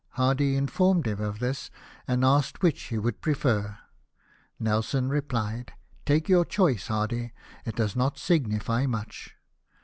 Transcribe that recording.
Hardy informed him of this, and asked which he would prefer. Nelson replied :" Take your choice, Hardy, it does not signify much."